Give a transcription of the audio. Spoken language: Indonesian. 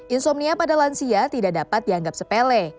insomnia pada lansia tidak dapat dianggap sepele